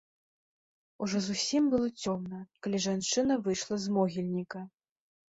Ужо зусім было цёмна, калі жанчына выйшла з могільніка.